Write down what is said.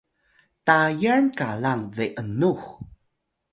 Tayal qalang be’nux